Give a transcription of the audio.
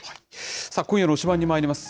今夜の推しバン！にまいります。